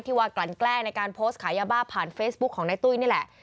ว่ากลั่นแกล้งในการโพสต์ขายยาบ้าผ่านเฟซบุ๊คของนายตุ้ยนี่แหละ